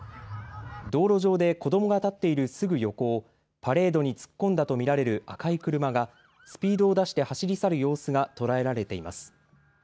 道路上で子どもが立っているすぐ横をパレードに突っ込んだと見られる赤い車がスピードを出して走り去る様子が捉えられています。